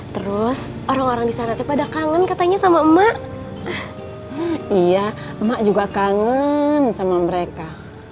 terus orang orang di sana pada kangen katanya sama emak iya emak juga kangen sama mereka